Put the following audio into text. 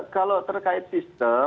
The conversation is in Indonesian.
kalau terkait sistem